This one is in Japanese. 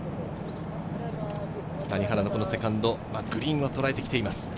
谷原のセカンド、グリーンをとらえてきています。